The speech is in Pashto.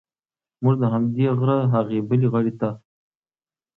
موږ د همدې غره هغې بلې غاړې ته.